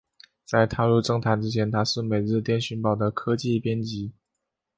在踏入政坛之前他是每日电讯报的科技编辑。